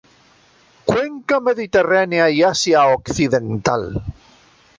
Cuenca mediterránea y Asia occidental.